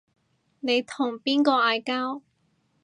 你同邊個嗌交